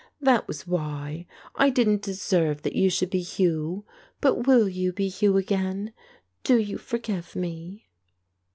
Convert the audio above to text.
"That was why. I didn't deserve that you should be Hugh. But will you be Hugh again ? Do you forgive me